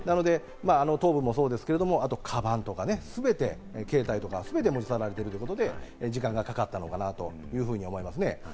頭部もそうですけれども、カバンとか全て携帯とか全て持ち去られているということで、時間がかかったのかなと思います。